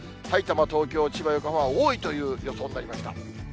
さいたま、東京、千葉、横浜、多いという予想になりました。